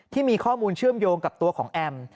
ที่มีข้อมูลเชื่อมโยงกับตัวของแอม